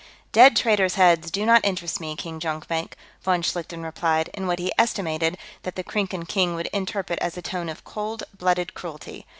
"Dead traitors' heads do not interest me, King Jonkvank," von Schlichten replied, in what he estimated that the Krinkan king would interpret as a tone of cold blooded cruelty.